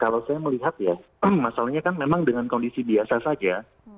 kalau saya melihat ya masalahnya kan memang dengan kondisi biasa saja